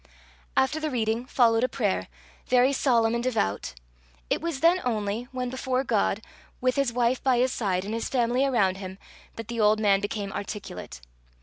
After the reading followed a prayer, very solemn and devout. It was then only, when before God, with his wife by his side, and his family around him, that the old man became articulate.